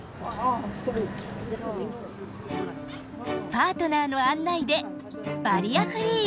パートナーの案内でバリアフリー！